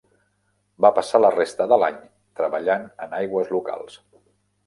Va passar la resta de l'any treballant en aigües locals.